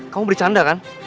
kamu bercanda kan